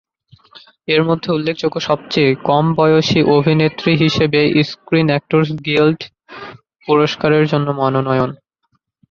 এর মধ্যে উল্লেখযোগ্য সবচেয়ে কম বয়সী অভিনেত্রী হিসেবে স্ক্রিন অ্যাক্টরস গিল্ড পুরস্কারের জন্য মনোনয়ন।